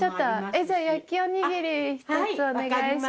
焼きおにぎり１つお願いします。